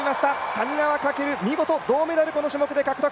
谷川翔、見事銅メダルこの種目で獲得。